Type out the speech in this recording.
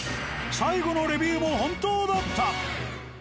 最後のレビューも本当だった。